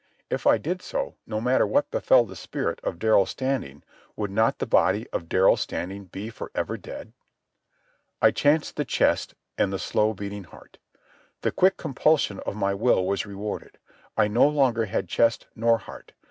If I did so, no matter what befell the spirit of Darrell Standing, would not the body of Darrell Standing be for ever dead? I chanced the chest and the slow beating heart. The quick compulsion of my will was rewarded. I no longer had chest nor heart.